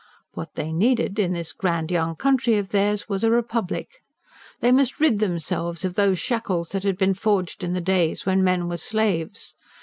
What they needed, in this grand young country of theirs, was a "republic"; they must rid themselves of those shackles that had been forged in the days when men were slaves.